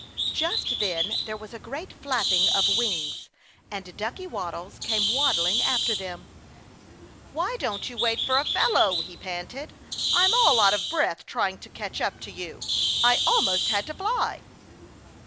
Just then there was a great flapping of wings and Ducky Waddles came wabbling after them. "Why don't you wait for a fellow," he panted. "I'm all out of breath trying to catch up to you. I almost had to fly."